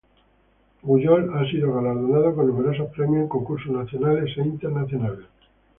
Pujol ha sido galardonado con numerosos premios en concursos nacionales e internacionales.